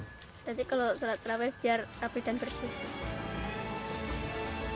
nanti kalau sholat terawih biar rapi dan bersih